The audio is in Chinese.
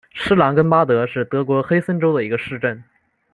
施兰根巴德是德国黑森州的一个市镇。